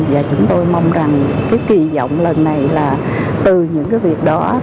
và chúng tôi mong rằng kỳ vọng lần này là từ những việc đó